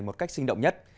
một cách sinh động nhất